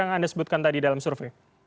yang anda sebutkan tadi dalam survei